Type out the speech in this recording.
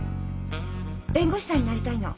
弁護士さんになりたいの。